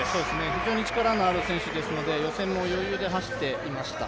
非常に力ある選手ですので予選も余裕で走っていました。